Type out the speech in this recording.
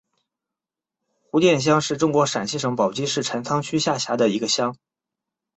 胡店乡是中国陕西省宝鸡市陈仓区下辖的一个乡。